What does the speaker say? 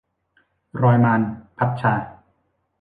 รอยมาร - พัดชา